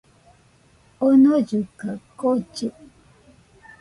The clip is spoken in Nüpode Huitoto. Omollɨ kaɨ kollɨ